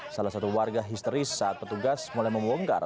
salah satu warga histeris saat petugas mulai membongkar